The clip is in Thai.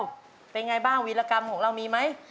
เป็นอย่างไรบ้างวิรากรรมของเรามีไหม